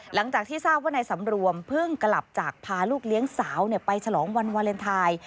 หลังจากที่ทราบว่านายสำรวมเพิ่งกลับจากพาลูกเลี้ยงสาวไปฉลองวันวาเลนไทย